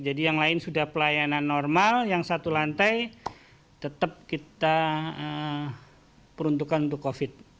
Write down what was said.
jadi yang lain sudah pelayanan normal yang satu lantai tetap kita peruntukan untuk covid